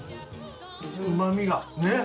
うまみがね！